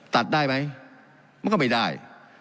ตัดได้ไหมมันก็ไม่ได้